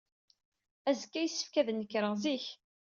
Azekka, yessefk ad nekreɣ zik.